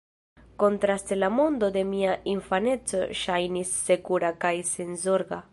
Kontraste, la mondo de mia infaneco ŝajnis sekura kaj senzorga.